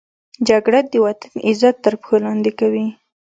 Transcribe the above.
جګړه د وطن عزت تر پښو لاندې کوي